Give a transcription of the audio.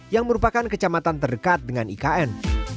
yang merupakan kecamatan terdekat dengan ikn